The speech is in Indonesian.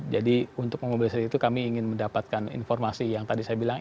jadi untuk memobilisasi itu kami ingin mendapatkan informasi yang tadi saya bilang